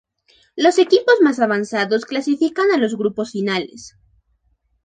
Los equipos más avanzados clasificaban a los grupos finales.